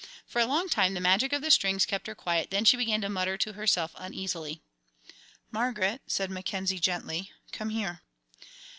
For a long time the magic of the strings kept her quiet, then she began to mutter to herself uneasily. "Margaret," said Mackenzie, gently, "come here."